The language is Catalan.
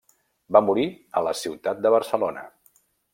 Va morir a la ciutat de Barcelona.